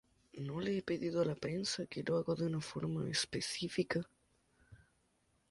No le he pedido a la prensa que lo haga de una forma específica...